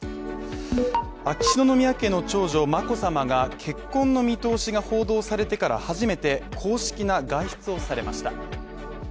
秋篠宮家の長女・眞子さまが結婚の見通しが報道されてから初めて公式な外出をされました。